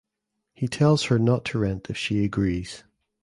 He tells her not to rent if she agrees.